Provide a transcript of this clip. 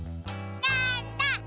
なんだ？